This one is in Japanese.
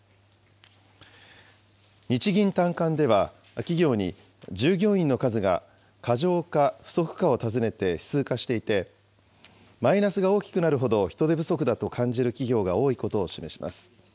日銀短観では、企業に従業員の数が過剰か不足かを尋ねて指数化していて、マイナスが大きくなるほど人手不足だと感じる企業が多いことを示します。